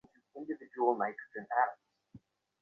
নিচের রেস্টুরেন্টে এক কাপ কফি খেতে গিয়েছিলাম।